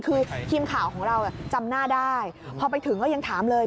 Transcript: คือทีมข่าวของเราจำหน้าได้พอไปถึงก็ยังถามเลย